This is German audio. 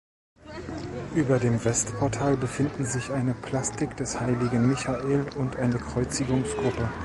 Über dem Westportal befinden sich eine Plastik des heiligen Michael und eine Kreuzigungsgruppe.